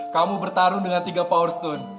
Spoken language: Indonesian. kamu bertarung dengan tiga power stone